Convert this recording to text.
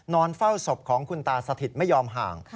นอนเฝ้าศพของคุณตาสถิตไม่ยอมห่าง